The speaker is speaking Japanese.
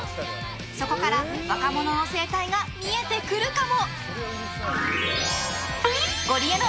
そこから若者の生態が見えてくるかも？